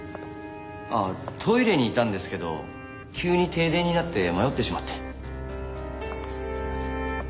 あっトイレにいたんですけど急に停電になって迷ってしまって。